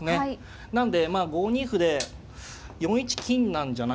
なんでまあ５二歩で４一金なんじゃ。